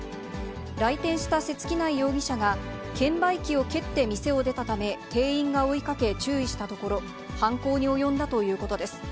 来店した瀬月内容疑者が、券売機を蹴って店を出たため、店員が追いかけ注意したところ、犯行に及んだということです。